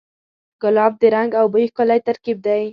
ګلاب د رنګ او بوی ښکلی ترکیب دی.